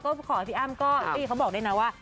ขออภิการก็บอกได้นะว่า